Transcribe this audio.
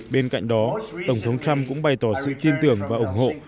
bên cạnh đó tổng thống trump cũng bày tỏ sự kiên tưởng và ủng hộ